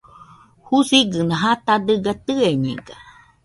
Jusigɨna jata dɨga tɨeñega